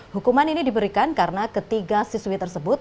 hukuman ini diberikan karena ketiga siswi tersebut